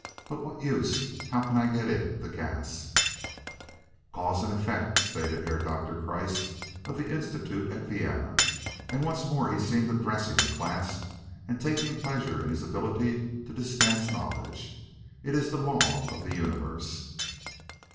"But what use? How can I get in? The gas " "Cause and effect!" stated Herr Doktor Kreiss of the Institute at Vienna, and once more he seemed addressing a class and taking pleasure in his ability to dispense knowledge. "It is the law of the universe.